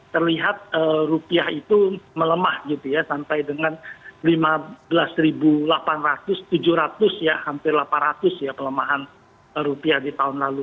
terlihat rupiah itu melemah gitu ya sampai dengan lima belas delapan ratus tujuh ratus ya hampir delapan ratus ya pelemahan rupiah di tahun lalu